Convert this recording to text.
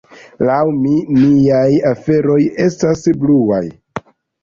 "Laŭ mi, miaj aferoj estas bluaj."